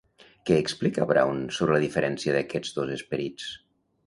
Què explica Brown sobre la diferència d'aquests dos esperits?